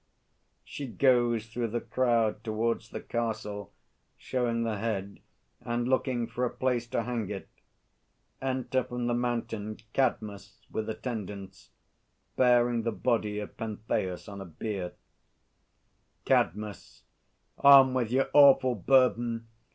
[_She goes through the crowd towards the Castle, showing the head and looking for a place to hang it. Enter from the Mountain_ CADMUS, with attendants, bearing the body of PENTHEUS on a bier. CADMUS. On, with your awful burden.